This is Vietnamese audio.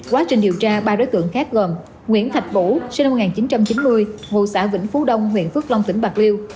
quá trình điều tra ba đối tượng khác gồm nguyễn thạch vũ sinh năm một nghìn chín trăm chín mươi ngụ xã vĩnh phú đông huyện phước long tỉnh bạc liêu